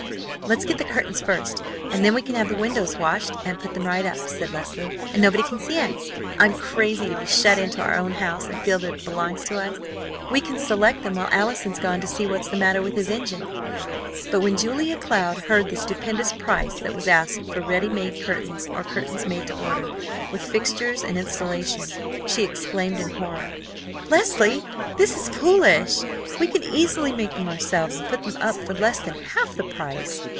"Let's get the curtains first, and then we can have the windows washed, and put them right up," said Leslie, "and nobody can see in. I'm crazy to be shut into our own house, and feel that it belongs to us. We can select them while Allison's gone to see what's the matter with his engine." But, when Julia Cloud heard the stupendous price that was asked for ready made curtains or curtains made to order, with fixtures and installation, she exclaimed in horror: "Leslie! This is foolish. We can easily make them ourselves, and put them up for less than half the price.